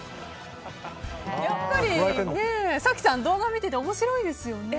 やっぱり早紀さん動画を見てて面白いですよね。